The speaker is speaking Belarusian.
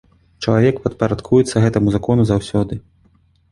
Чалавек падпарадкуецца гэтаму закону заўсёды.